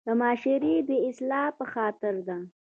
د معاشري د اصلاح پۀ خاطر ده